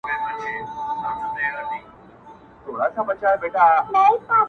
د وروستي مني مي یو څو پاڼي پر کور پاته دي-